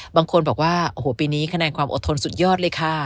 บางคนบอกว่าโอ้โหปีนี้คะแนนความอดทนสุดยอดเลยค่ะ